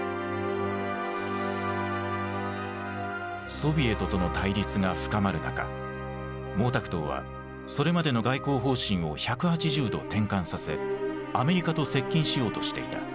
ソビエトとの対立が深まる中毛沢東はそれまでの外交方針を１８０度転換させアメリカと接近しようとしていた。